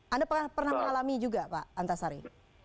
anda pernah mengalami juga pak antasari